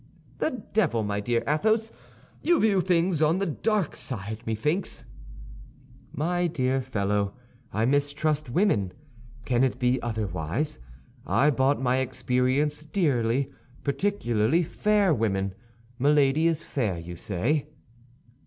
"The devil! my dear Athos, you view things on the dark side, methinks." "My dear fellow, I mistrust women. Can it be otherwise? I bought my experience dearly—particularly fair women. Milady is fair, you say?"